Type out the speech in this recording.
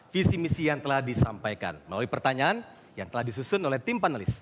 visi misi yang telah disampaikan melalui pertanyaan yang telah disusun oleh tim panelis